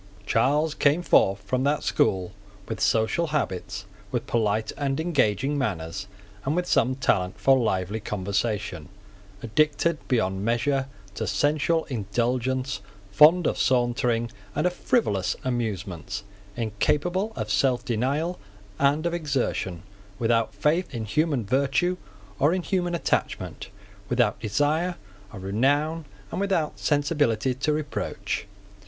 Charles came forth from that school with social habits, with polite and engaging manners, and with some talent for lively conversation, addicted beyond measure to sensual indulgence, fond of sauntering and of frivolous amusements, incapable of selfdenial and of exertion, without faith in human virtue or in human attachment without desire of renown, and without sensibility to reproach.